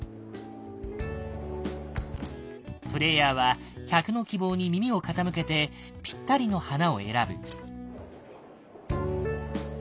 プレイヤーは客の希望に耳を傾けてぴったりの花を選ぶ。